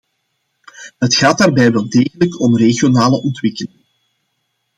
Het gaat daarbij wel degelijk om regionale ontwikkeling.